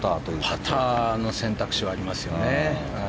パターの選択肢はありますよね。